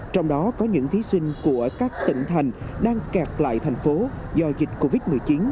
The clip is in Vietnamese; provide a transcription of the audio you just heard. trong đó có những thí sinh của các tỉnh thành đang kẹt lại thành phố do dịch covid một mươi chín